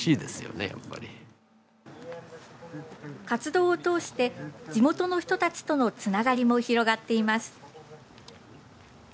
活動を通して地元の人たちとのつながりも広がっています。